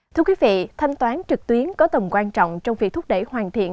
thưa quý vị thanh toán trực tuyến có tầm quan trọng trong việc thúc đẩy hoàn thiện